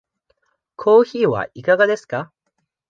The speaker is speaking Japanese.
コーヒーはいかがですか。